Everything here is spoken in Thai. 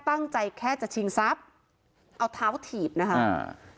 ตั้งใจแค่จะชิงซับเอาเท้าถีบนะครับ